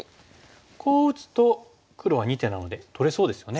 こう打つと黒は２手なので取れそうですよね。